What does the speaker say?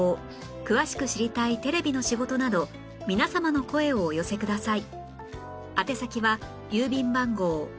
詳しく知りたいテレビの仕事など皆様の声をお寄せください